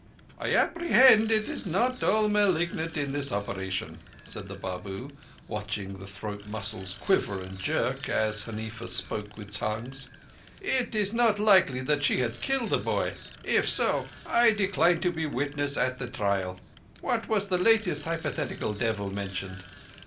"I—I apprehend it is not at all malignant in its operation?" said the Babu, watching the throat muscles quiver and jerk as Huneefa spoke with tongues. "It—it is not likely that she has killed the boy? If so, I decline to be witness at the trial .....What was the last hypothetical devil mentioned?"